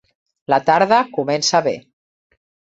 La tarda comença bé.